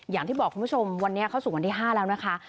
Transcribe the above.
อย่างที่บอกคุณผู้ชมวันนี้เข้าสู่วันที่๕แล้วนะคะ